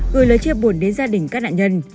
gửi lời chia buồn đến gia đình các nạn nhân